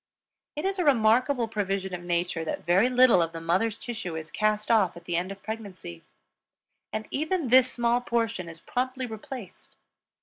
It is a remarkable provision of Nature that very little of the mother's tissue is cast off at the end of pregnancy; and even this small portion is promptly replaced.